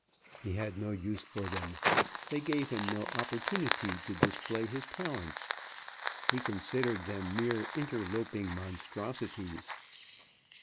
He had no use for them. They gave him no opportunity to display his talents. He considered them mere interloping monstrosities.